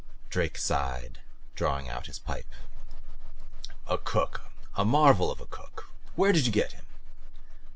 Drake sighed, drawing out his pipe. "A cook, a marvel of a cook. Where did you get him?"